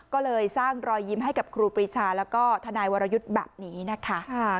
ก็เลยสร้างรอยยิ้มให้กับครูปรีชาแล้วก็ทนายวรยุทธ์แบบนี้นะคะ